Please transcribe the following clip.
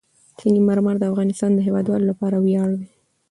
سنگ مرمر د افغانستان د هیوادوالو لپاره ویاړ دی.